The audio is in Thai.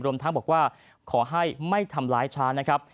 รวมทั้งบอกว่าขอให้ไม่ทำร้ายช้านะครับ